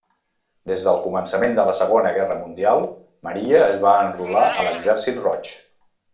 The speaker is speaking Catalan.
Des del començament de la Segona Guerra Mundial, Maria es va enrolar a l'Exèrcit Roig.